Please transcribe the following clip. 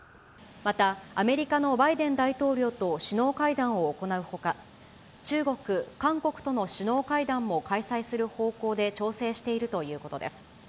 また、アメリカのバイデン大統領と首脳会談を行うほか、中国、韓国との首脳会談も開催する方向で調整しているということです。